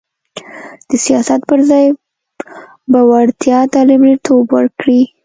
د سیاست پر ځای به وړتیا ته لومړیتوب ورکړي